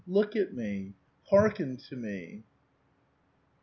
Look at me, hearken to me."